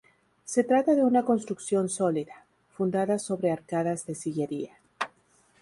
Se trata de una construcción sólida, fundada sobre arcadas de sillería.